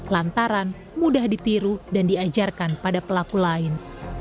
lantaran mudah ditiru dan diajarkan pada pelaku lain